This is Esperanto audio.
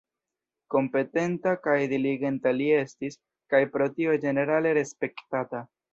Kompetenta kaj diligenta li estis, kaj pro tio ĝenerale respektata.